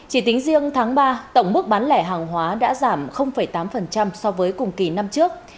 chỉ tính riêng tháng ba tổng mức bán lẻ hàng hóa đã giảm tám so với cùng kỳ năm trước